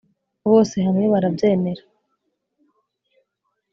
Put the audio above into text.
bose hamwe barabyemera